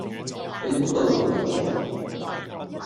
你唔好對號入座